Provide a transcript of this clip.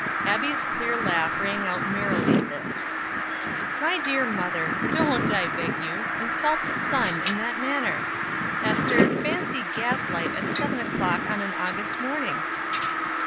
Abbie's clear laugh rang out merrily at this. "My dear mother, don't, I beg of you, insult the sun in that manner! Ester, fancy gas light at seven o'clock on an August morning!"